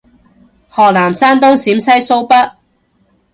河南山東陝西蘇北